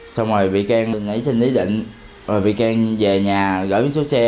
xong rồi vị can nghĩ xin ý định rồi vị can về nhà gửi miếng xe